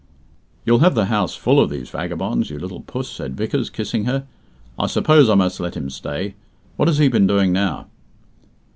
"You'll have the house full of these vagabonds, you little puss," said Vickers, kissing her. "I suppose I must let him stay. What has he been doing now?"